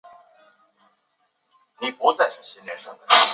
在多株反应中制造的抗体称为多株抗体。